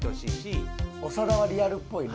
長田はリアルっぽいね。